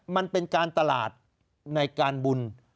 มันเป็นการตลาดในการบุญ